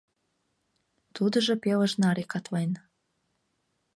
Тудыжо пелыж наре катлен.